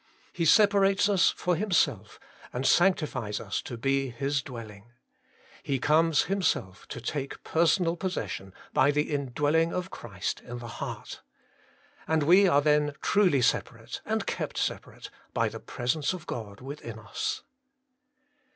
He separates us for Himself, and sanctifies us to be His dwelling. He comes Him self to take personal possession by the indwelling of Christ in the heart. And we are then truly separate, and kept separate, by the presence of God within us.